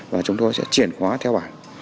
và chúng tôi sẽ chuyển hóa theo bản